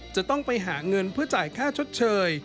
จะต้องไปหาเงินเพื่อจ่ายค่าชดเชย